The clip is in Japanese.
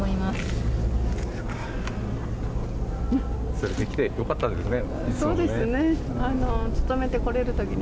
連れてきて良かったですね。